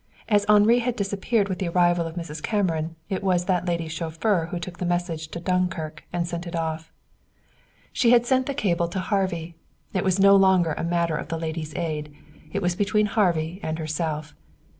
As Henri had disappeared with the arrival of Mrs. Cameron it was that lady's chauffeur who took the message to Dunkirk and sent it off. She had sent the cable to Harvey. It was no longer a matter of the Ladies' Aid. It was between Harvey and herself.